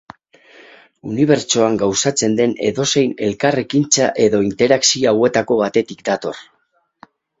Unibertsoan gauzatzen den edozein elkarrekintza edo interakzio hauetako batetik dator.